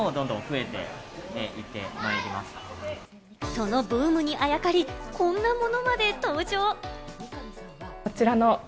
そのブームにあやかり、こんなものまで登場。